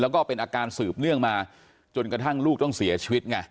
แล้วก็เป็นอาการสืบเนื่องมาจนกระทั่งลูกต้องเสียชีวิตไง